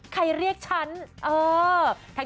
ใครเรียกฉัน